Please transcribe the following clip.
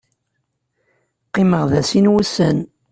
Qqimeɣ da sin wussan.